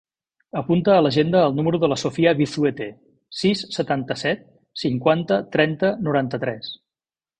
Apunta a l'agenda el número de la Sofía Vizuete: sis, setanta-set, cinquanta, trenta, noranta-tres.